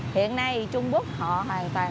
hiện nay trung quốc họ hoàn toàn